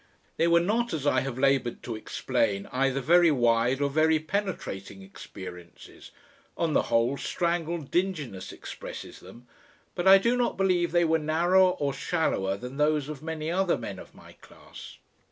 They were not, as I have laboured to explain, either very wide or very penetrating experiences, on the whole, "strangled dinginess" expresses them, but I do not believe they were narrower or shallower than those of many other men of my class.